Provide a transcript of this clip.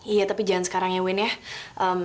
iya tapi jangan sekarang ya win ya